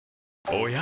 おや？